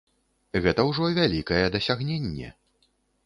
Гэта ўжо вялікае дасягненне.